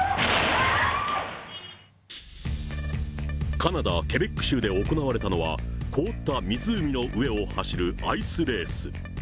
カナダ・ケベック州で行われたのは凍った湖の上を走るアイスレース。